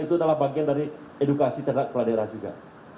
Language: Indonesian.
itu adalah bagian dari edukasi terhadap kepala daerah juga